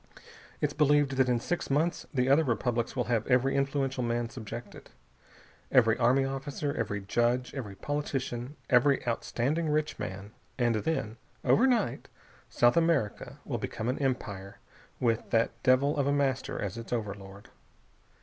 It's believed that in six months the other republics will have every influential man subjected. Every army officer, every judge, every politician, every outstanding rich man.... And then, overnight, South America will become an empire, with that devil of a Master as its overlord."